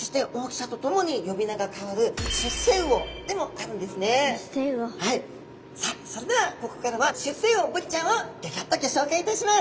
さあそれではここからは出世魚ブリちゃんをギョギョッとギョ紹介いたします。